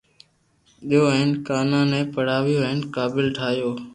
ديئو ھين ڪانا ني پڙاويو ھين قابل ٺايو